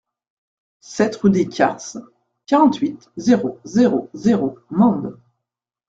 sept rue des Carces, quarante-huit, zéro zéro zéro, Mende